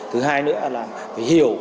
thứ hai nữa là phải hiểu